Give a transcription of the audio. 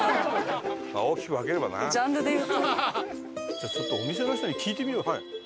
じゃあちょっとお店の人に聞いてみよう。